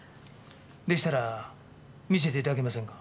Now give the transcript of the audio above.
でしたら見せて頂けませんか？